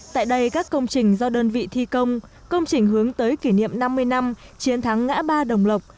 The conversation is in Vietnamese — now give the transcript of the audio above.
tại đây các công trình do đơn vị thi công công trình hướng tới kỷ niệm năm mươi năm chiến thắng ngã ba đồng lộc